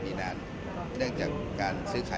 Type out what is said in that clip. มันเป็นแบบที่สุดท้ายแต่มันเป็นแบบที่สุดท้าย